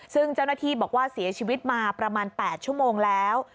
ซึ่งเจ้าหน้าที่บอกว่าเสียชีวิตมาประมาณ๘ชั่วโมงแล้ว